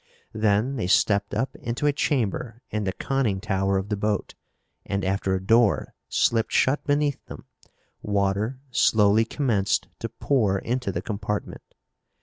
Then they stepped up into a chamber in the conning tower of the boat and, after a door slipped shut beneath them, water slowly commenced to pour into the compartment.